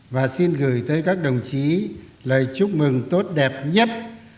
và xin gửi tới các đồng chí lời chúc mừng tốt đẹp nhất